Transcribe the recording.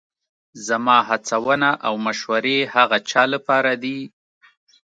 زما هڅونه او مشورې هغه چا لپاره دي